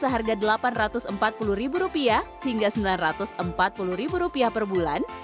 seharga delapan ratus empat puluh ribu rupiah hingga sembilan ratus empat puluh ribu rupiah per bulan